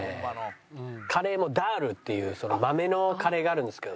カレーもダールっていう豆のカレーがあるんですけど。